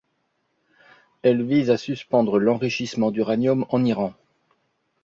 Elle vise à suspendre l'enrichissement d'uranium en Iran.